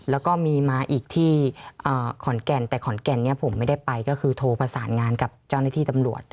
แล้วก็มีมาอีกที่ขอนแก่นแต่ขอนแก่นผมไม่ได้ไปก็คือโทรประสานงานกับเจ้าหน้าที่ตำรวจ